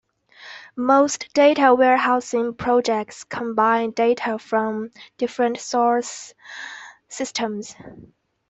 Most data-warehousing projects combine data from different source systems.